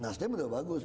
nah nasti pun udah bagus